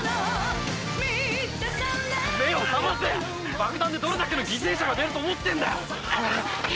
爆弾でどれだけの犠牲者が出ると思ってんだよ！